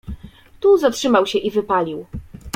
"Tu zatrzymał się i wypalił."